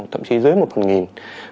thậm chí dưới một phần nghìn